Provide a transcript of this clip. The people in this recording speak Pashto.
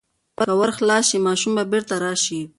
که ور خلاص شي، ماشوم به بیرته راشي.